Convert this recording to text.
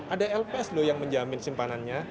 ada lps loh yang menjamin simpanannya